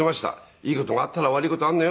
「いい事があったら悪い事あんのよ」。